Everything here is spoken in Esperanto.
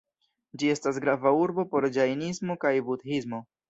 Ĝi estas grava urbo por ĝajnismo kaj budhismo.